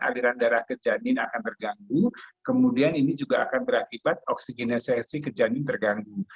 aliran darah ke janin akan terganggu kemudian ini juga akan berakibat oksigenisasi ke janin terganggu